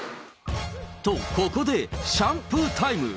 と、ここで、シャンプータイム。